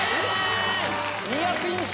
ニアピン賞！